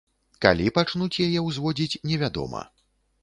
Калі пачнуць яе ўзводзіць, невядома.